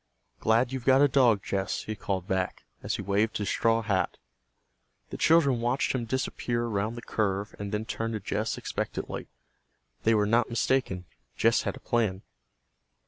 "Glad you've got a dog, Jess," he called back, as he waved his straw hat. The children watched him disappear around the curve and then turned to Jess expectantly. They were not mistaken. Jess had a plan.